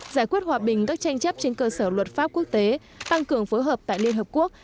giải quyết hòa bình các tranh chấp trên cơ sở luật pháp quốc tế tăng cường phối hợp tại liên hợp quốc